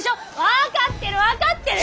分かってる分かってる！